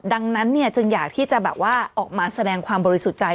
ดังนั้นจึงอยากที่จะแบบว่าออกมาแสดงความบริสุทธิ์ใจ